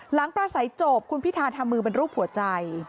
ประสัยจบคุณพิธาทำมือเป็นรูปหัวใจ